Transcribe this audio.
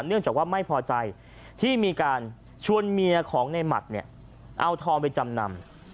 เนื่องจากว่าไม่พอใจที่มีการชวนเมียของในหมัดเนี่ยเอาทองไปจำนำ